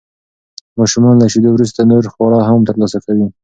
ماشومان له شیدو وروسته نور خواړه هم ترلاسه کوي.